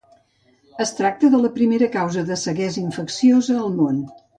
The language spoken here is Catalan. Es tracta de la primera causa de ceguesa infecciosa al món.